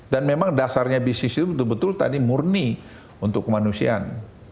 dan memang dasarnya bisnis itu betul betul tadi murni untuk kemanusiaan